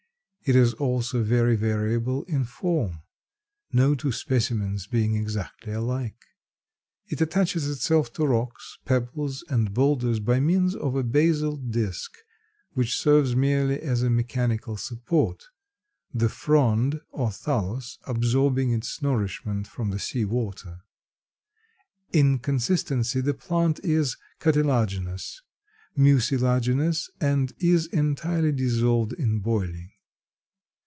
It is also very variable in form; no two specimens being exactly alike. It attaches itself to rocks, pebbles and boulders by means of a basal disk which serves merely as a mechanical support, the frond or thallus absorbing its nourishment from the sea water. In consistency the plant is cartilaginous, mucilaginous, and is entirely dissolved on boiling.